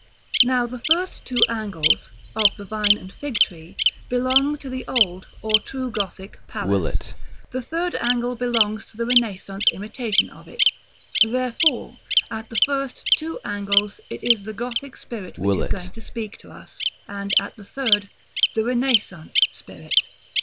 § XXXV. Now the first two angles, of the Vine and Fig tree, belong to the old, or true Gothic, Palace; the third angle belongs to the Renaissance imitation of it: therefore, at the first two angles, it is the Gothic spirit which is going to speak to us; and, at the third, the Renaissance spirit.